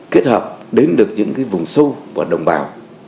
kết hợp đến được những vùng sâu và đồng bào